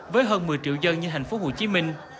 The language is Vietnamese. với hơn một mươi triệu dân như thành phố hồ chí minh